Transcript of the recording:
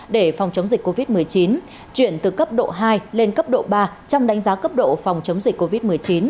để phòng chống dịch covid một mươi chín chuyển từ cấp độ hai lên cấp độ ba trong đánh giá cấp độ phòng chống dịch covid một mươi chín